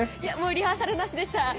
リハーサルなしでした。